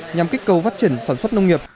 nhằm kích cầu phát triển sản xuất nông nghiệp